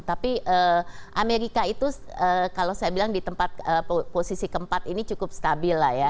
tapi amerika itu kalau saya bilang di tempat posisi keempat ini cukup stabil lah ya